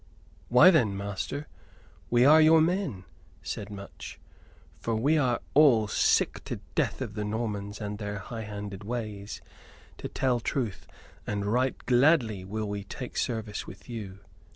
"Why, then, master, we are your men," said Much; "for we are all sick to death of the Normans and their high handed ways, to tell truth; and right gladly will we take service with you."